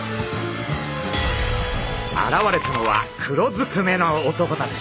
現れたのは黒ずくめの男たち。